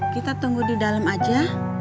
kita tunggu di dalam aja